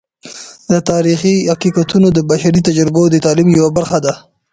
د تاریخی حقیقتونه د بشري تجربو د تعلیم یوه برخه ده.